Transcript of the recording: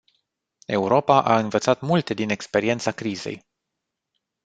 Europa a învățat multe din experiența crizei.